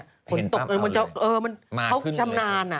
เห็นตั้งเอาเลยเขาชำนาญอ่ะ